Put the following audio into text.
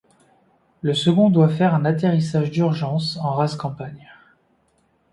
Le second doit faire un atterrissage d'urgence en rase campagne.